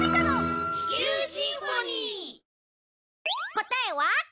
答えは。